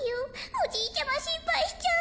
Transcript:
おじいちゃましんぱいしちゃう。